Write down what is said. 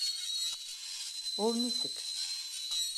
Ул нисек...